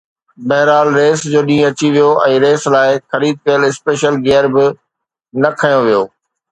بهرحال ريس جو ڏينهن اچي ويو ۽ ريس لاءِ خريد ڪيل اسپيشل گيئر به نه کنيو ويو.